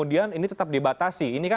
ini tetap dibatasi